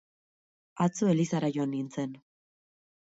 atzo elizara joan nintzen